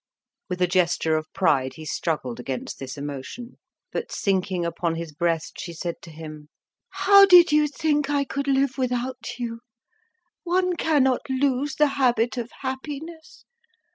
With a gesture of pride he struggled against this emotion. But sinking upon his breast she said to him "How did you think I could live without you? One cannot lose the habit of happiness.